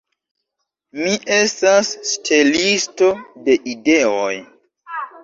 Mi estas ŝtelisto de ideoj.